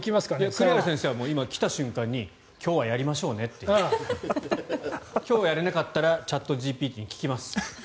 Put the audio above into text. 栗原先生は今日、来た瞬間に今日はやりましょうねって。今日やれなかったらチャットＧＰＴに聞きます。